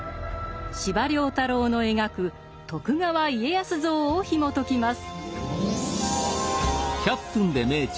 司馬太郎の描く徳川家康像をひもときます。